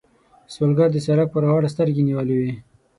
سوالګر د سړک پر غاړه سترګې نیولې وي